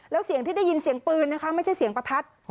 แล้วเสียงที่ได้ยินเสียงปืนนะคะไม่ใช่เสียงประทัด